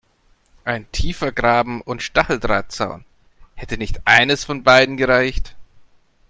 Ein tiefer Graben und Stacheldrahtzaun – hätte nicht eines von beidem gereicht?